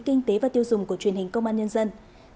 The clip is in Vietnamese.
kinh tế và tiêu dùng của truyền hình công an nhân dân